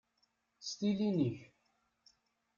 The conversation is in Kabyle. S tilin-ik!